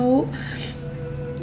kalau kay tau